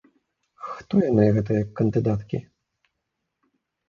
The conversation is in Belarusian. Хто яны, гэтыя кандыдаткі?